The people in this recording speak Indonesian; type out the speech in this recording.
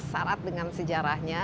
sarat dengan sejarahnya